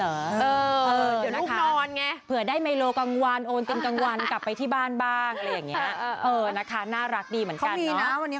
เดี๋ยวลูกนอนไงเผื่อได้เมโลกางวันโอนเตียงกางวันกลับไปที่บ้านบ้างก็แบบเนี่ย